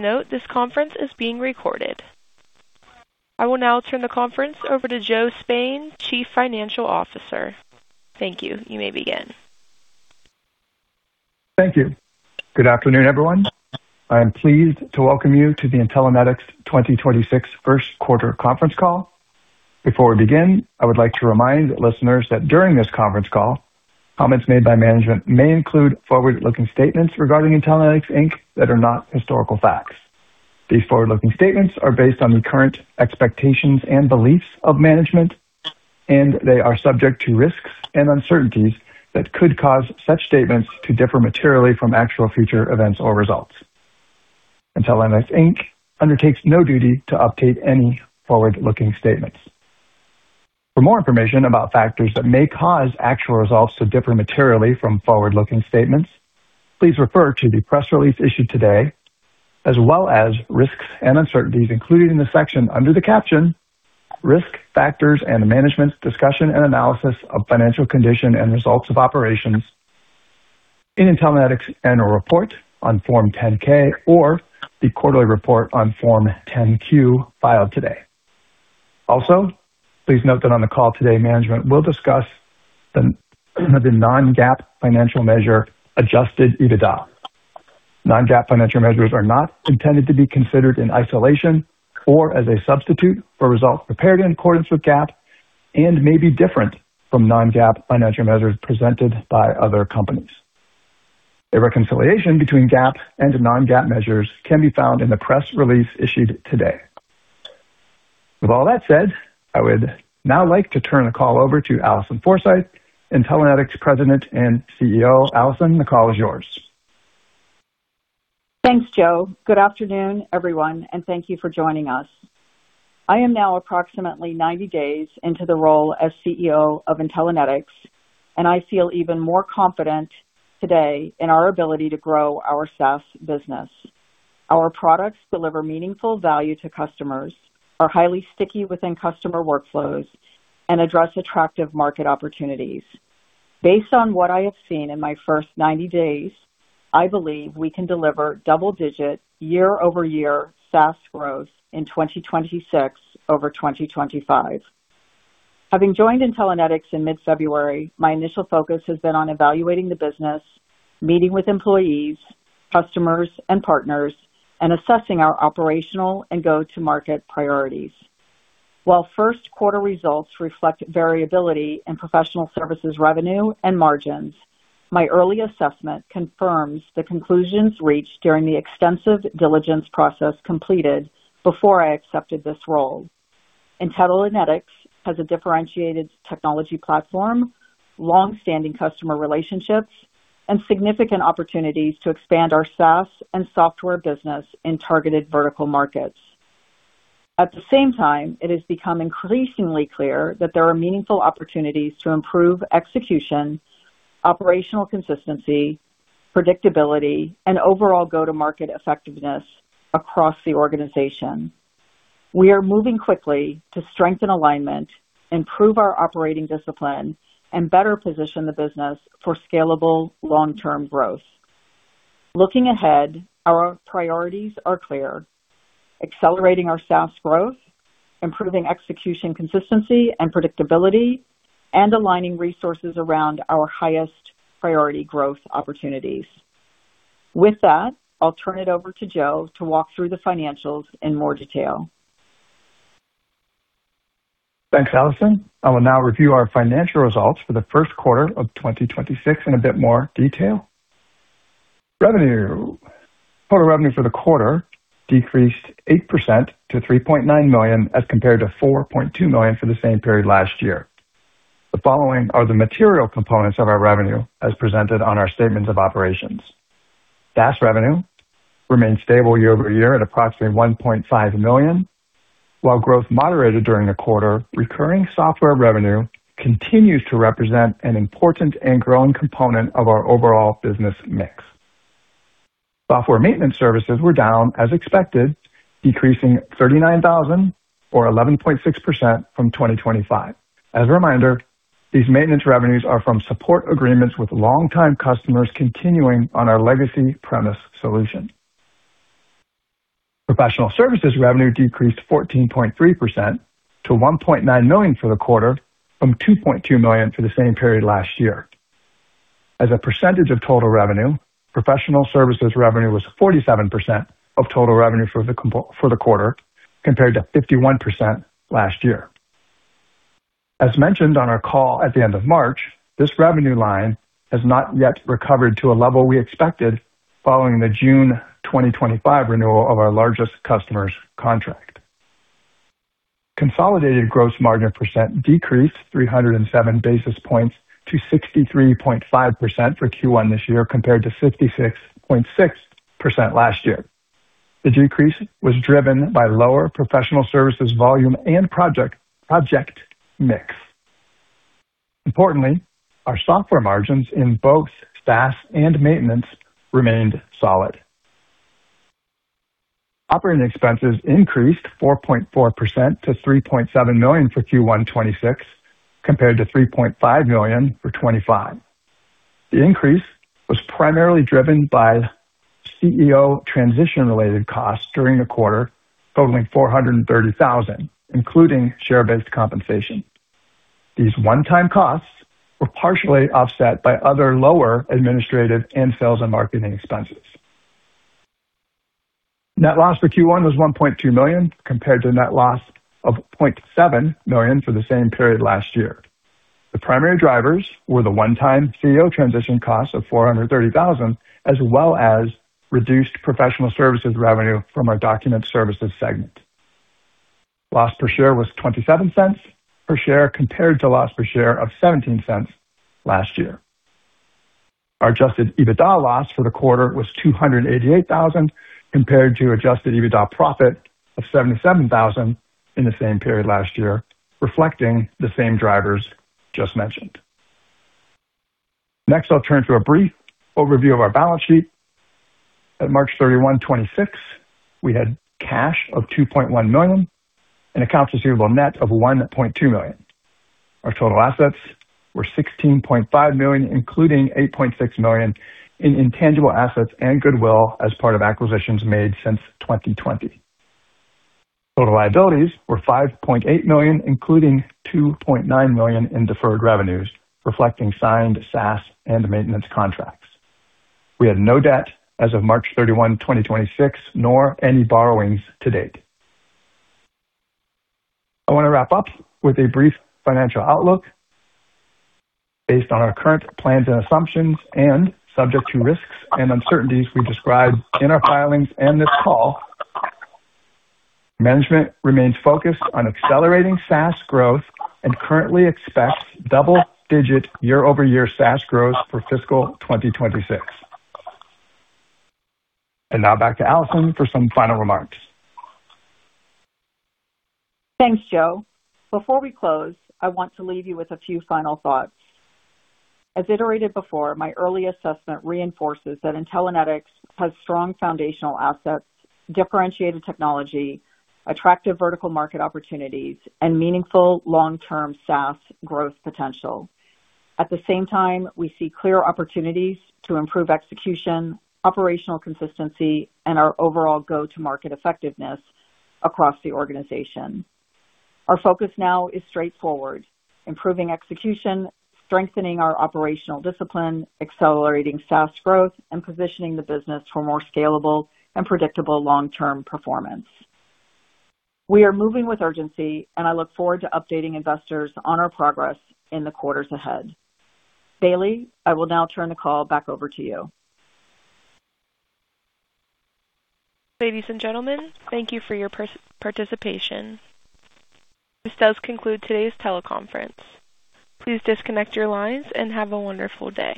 Note this conference is being recorded. I will now turn the conference over to Joe Spain, Chief Financial Officer. Thank you. You may begin. Thank you. Good afternoon, everyone. I am pleased to welcome you to the Intellinetics 2026 first quarter conference call. Before we begin, I would like to remind listeners that during this conference call, comments made by management may include forward-looking statements regarding Intellinetics, Inc. that are not historical facts. These forward-looking statements are based on the current expectations and beliefs of management. They are subject to risks and uncertainties that could cause such statements to differ materially from actual future events or results. Intellinetics, Inc. undertakes no duty to update any forward-looking statements. For more information about factors that may cause actual results to differ materially from forward-looking statements, please refer to the press release issued today, as well as risks and uncertainties included in the section under the caption "Risk Factors and Management's Discussion and Analysis of Financial Condition and Results of Operations" in Intellinetics' annual report on Form 10-K or the quarterly report on Form 10-Q filed today. Also, please note that on the call today, management will discuss the non-GAAP financial measure Adjusted EBITDA. Non-GAAP financial measures are not intended to be considered in isolation or as a substitute for results prepared in accordance with GAAP and may be different from non-GAAP financial measures presented by other companies. A reconciliation between GAAP and non-GAAP measures can be found in the press release issued today. With all that said, I would now like to turn the call over to Alison Forsythe, Intellinetics President and CEO. Alison, the call is yours. Thanks, Joe. Good afternoon, everyone, and thank you for joining us. I am now approximately 90 days into the role as CEO of Intellinetics, and I feel even more confident today in our ability to grow our SaaS business. Our products deliver meaningful value to customers, are highly sticky within customer workflows, and address attractive market opportunities. Based on what I have seen in my first 90 days, I believe we can deliver double-digit year-over-year SaaS growth in 2026 over 2025. Having joined Intellinetics in mid-February, my initial focus has been on evaluating the business, meeting with employees, customers, and partners, and assessing our operational and go-to-market priorities. While first quarter results reflect variability in professional services revenue and margins, my early assessment confirms the conclusions reached during the extensive diligence process completed before I accepted this role. Intellinetics has a differentiated technology platform, long-standing customer relationships, and significant opportunities to expand our SaaS and software business in targeted vertical markets. At the same time, it has become increasingly clear that there are meaningful opportunities to improve execution, operational consistency, predictability, and overall go-to-market effectiveness across the organization. We are moving quickly to strengthen alignment, improve our operating discipline, and better position the business for scalable long-term growth. Looking ahead, our priorities are clear: accelerating our SaaS growth, improving execution consistency and predictability, and aligning resources around our highest priority growth opportunities. With that, I'll turn it over to Joe to walk through the financials in more detail. Thanks, Alison. I will now review our financial results for the first quarter of 2026 in a bit more detail. Revenue. Total revenue for the quarter decreased 8% to $3.9 million, as compared to $4.2 million for the same period last year. The following are the material components of our revenue as presented on our statements of operations. SaaS revenue remained stable year-over-year at approximately $1.5 million. While growth moderated during the quarter, recurring software revenue continues to represent an important and growing component of our overall business mix. Software maintenance services were down as expected, decreasing $39,000 or 11.6% from 2025. As a reminder, these maintenance revenues are from support agreements with longtime customers continuing on our legacy premise solution. Professional services revenue decreased 14.3% to $1.9 million for the quarter, from $2.2 million for the same period last year. As a percentage of total revenue, professional services revenue was 47% of total revenue for the quarter, compared to 51% last year. As mentioned on our call at the end of March, this revenue line has not yet recovered to a level we expected following the June 2025 renewal of our largest customer's contract. Consolidated gross margin percent decreased 307 basis points to 63.5% for Q1 this year, compared to 56.6% last year. The decrease was driven by lower professional services volume and project mix. Importantly, our software margins in both SaaS and maintenance remained solid. Operating expenses increased 4.4% to $3.7 million for Q1 2026, compared to $3.5 million for 2025. The increase was primarily driven by CEO transition-related costs during the quarter, totaling $430,000, including share-based compensation. These one-time costs were partially offset by other lower administrative and sales and marketing expenses. Net loss for Q1 was $1.2 million, compared to a net loss of $0.7 million for the same period last year. The primary drivers were the one-time CEO transition cost of $430,000, as well as reduced professional services revenue from our document services segment. Loss per share was $0.27 per share compared to loss per share of $0.17 last year. Our Adjusted EBITDA loss for the quarter was $288,000, compared to Adjusted EBITDA profit of $77,000 in the same period last year, reflecting the same drivers just mentioned. Next, I'll turn to a brief overview of our balance sheet. At March 31, 2026, we had cash of $2.1 million and accounts receivable net of $1.2 million. Our total assets were $16.5 million, including $8.6 million in intangible assets and goodwill as part of acquisitions made since 2020. Total liabilities were $5.8 million, including $2.9 million in deferred revenues, reflecting signed SaaS and maintenance contracts. We had no debt as of March 31, 2026, nor any borrowings to date. I want to wrap up with a brief financial outlook. Based on our current plans and assumptions and subject to risks and uncertainties we described in our filings and this call, management remains focused on accelerating SaaS growth and currently expects double-digit year-over-year SaaS growth for fiscal 2026. Now back to Alison for some final remarks. Thanks, Joe. Before we close, I want to leave you with a few final thoughts. As iterated before, my early assessment reinforces that Intellinetics has strong foundational assets, differentiated technology, attractive vertical market opportunities, and meaningful long-term SaaS growth potential. At the same time, we see clear opportunities to improve execution, operational consistency, and our overall go-to-market effectiveness across the organization. Our focus now is straightforward. Improving execution, strengthening our operational discipline, accelerating SaaS growth, and positioning the business for more scalable and predictable long-term performance. We are moving with urgency, and I look forward to updating investors on our progress in the quarters ahead. Bailey, I will now turn the call back over to you. Ladies and gentlemen, thank you for your participation. This does conclude today's teleconference. Please disconnect your lines and have a wonderful day.